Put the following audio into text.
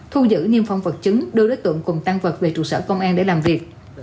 thu giữ niêm phong vật chứng đưa đối tượng cùng tăng vật về trụ sở công an để làm việc